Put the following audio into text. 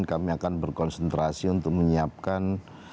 kami akan berkonsentrasi untuk menyiapkan